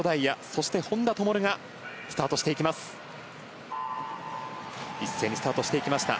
そして、本多灯がスタートしていきました。